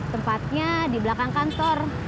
tempatnya di belakang kantor